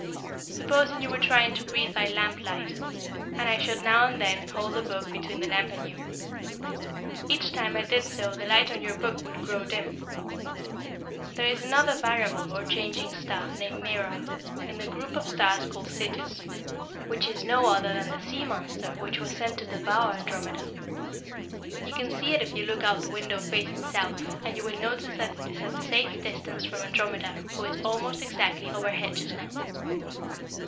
"Supposing you were trying to read by lamplight, and I should now and then hold a book between the lamp and you. Each time I did so the light on your book would grow dim. There is another variable or changing star named Mira, in the group of stars called Cetus, which is no other than the sea monster which was sent to devour Andromeda. You can see it if you look out of the window facing south, and you will notice that it is at a safe distance from Andromeda, who is almost exactly overhead just now."